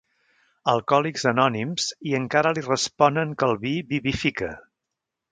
Alcohòlics Anònims i encara li responen que el vi vivifica».